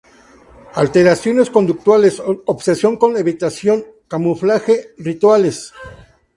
Alteraciones conductuales: Obsesión con evitación, camuflaje, rituales.